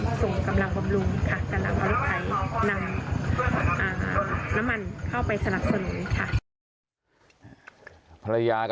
ดังนั้นรถไทน้ำน้ำมันเข้าไปสนับส่วนค่ะ